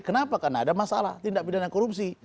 kenapa karena ada masalah tindak pidana korupsi